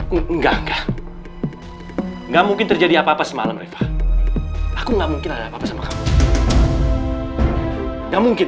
enggakkah enggak mungkin terjadi apa apa semalam reva aku nggak mungkin ada apa apa sama kamu nggak mungkin